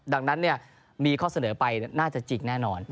ดังนั้นมีข้อเสนอไปน่าจะจริงแน่นอน